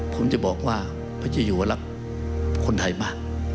ผมจะบอกว่าปัจจุยัวรักคนไทยมาก